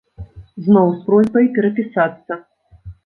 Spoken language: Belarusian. Зноў з просьбай перапісацца.